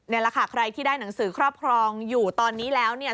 นี่แหละค่ะใครที่ได้หนังสือครอบครองอยู่ตอนนี้แล้วเนี่ย